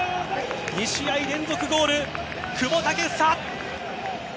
２試合連続ゴール、久保建英！